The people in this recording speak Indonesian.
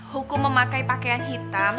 hukum memakai pakaian hitam